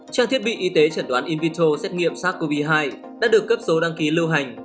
trang thiết bị y tế chẩn đoán in vito xét nghiệm sars cov hai đã được cấp số đăng ký lưu hành